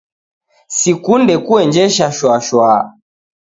Sikunde kuenjesha shwashwaa